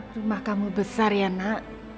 rumah kamu besar ya nak